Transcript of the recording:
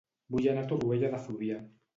Vull anar a Torroella de Fluvià